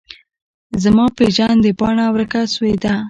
زما پیژند پاڼه ورکه سویده